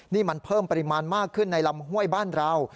นี่มันเพิ่มปริมาณมากขึ้นในลำห้วยบ้านเรา